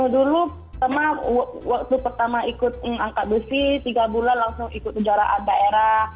dulu pertama waktu pertama ikut angkat besi tiga bulan langsung ikut kejuaraan daerah